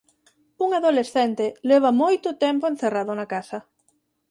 Un adolescente leva moito tempo encerrado na casa.